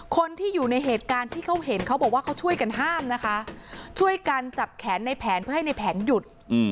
คนที่อยู่ในเหตุการณ์ที่เขาเห็นเขาบอกว่าเขาช่วยกันห้ามนะคะช่วยกันจับแขนในแผนเพื่อให้ในแผนหยุด